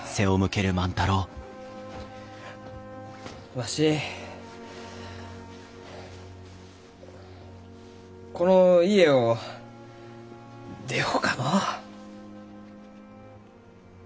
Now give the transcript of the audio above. わしこの家を出ようかのう。